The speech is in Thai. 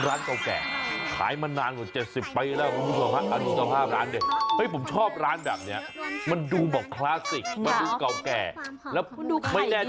อร่อยเด็ดขนาดไหนติดตามไปช่วงปลาร์นเกม